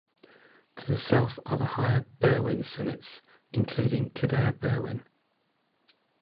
To the south are the higher Berwyn summits, including Cadair Berwyn.